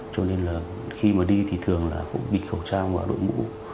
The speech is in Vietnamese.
cho nên là khi mà đi thì thường là cũng bịt khẩu trang và đội mũ